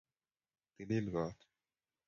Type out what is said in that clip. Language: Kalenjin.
tilil koot